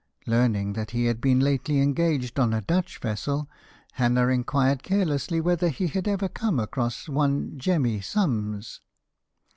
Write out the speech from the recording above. Learning that he had been lately engaged on a Dutch vessel, Hannah inquired carelessly whether he had ever come across one Jemmy Summs.